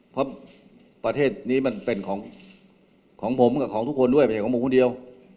เพราะประเทศนี้มันเป็นของผมกับของทุกคนด้วยไม่ใช่ของผมคนเดียว